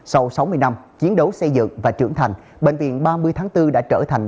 sau sáu mươi năm chiến đấu xây dựng và trưởng thành bệnh viện ba mươi tháng bốn đã trở thành